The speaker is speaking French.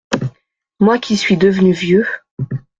Moi qui suis devenu vieux…